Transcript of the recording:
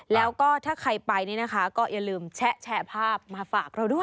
แล้วก็ถ้าใครไปก็อย่าลืมแชะแช่ภาพมาฝากเราด้วย